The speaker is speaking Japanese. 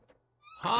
はあ？